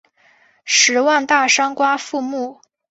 十万大山瓜馥木